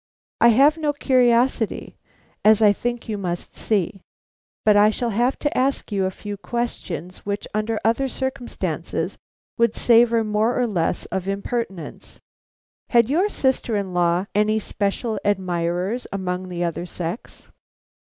I have no curiosity, as I think you must see, but I shall have to ask you a few questions which under other circumstances would savor more or less of impertinence. Had your sister in law any special admirers among the other sex?"